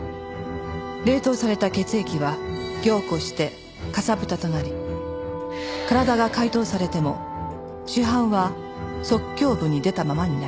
冷凍された血液は凝固してかさぶたとなり体が解凍されても死斑は側胸部に出たままになります。